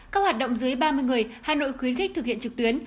các hoạt động dưới ba mươi người hà nội khuyến khích thực hiện trực tuyến